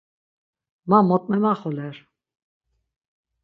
Ma mot memaxoler.